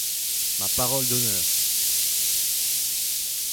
Ma parole d'honneur!